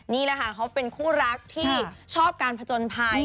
นี่แหละค่ะเขาเป็นคู่รักที่ชอบการผจญภัย